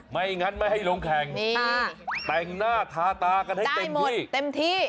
ไม่งั้นไม่ให้ลงแข่งแต่งหน้าทาตากันให้เต็มที่เต็มที่